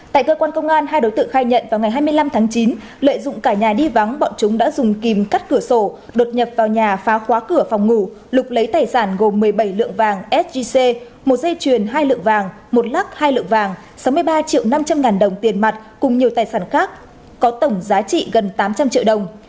tại cơ quan công an hai đối tượng khai nhận vào ngày hai mươi năm tháng chín lợi dụng cả nhà đi vắng bọn chúng đã dùng kìm cắt cửa sổ đột nhập vào nhà phá khóa cửa phòng ngủ lục lấy tài sản gồm một mươi bảy lượng vàng sgc một dây chuyền hai lượng vàng một lắc hai lượng vàng sáu mươi ba triệu năm trăm linh ngàn đồng tiền mặt cùng nhiều tài sản khác có tổng giá trị gần tám trăm linh triệu đồng